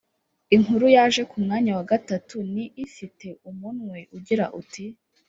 Inkuru yaje ku mwanya wa gatatu ni ifite umuntwe ugira uti: